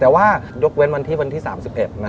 แต่ว่ายกเว้นวันที่วันที่๓๑นะ